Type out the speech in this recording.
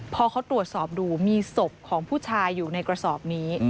พอเขาตรวจสอบดูมีศพของผู้ชายอยู่ในกระสอบนี้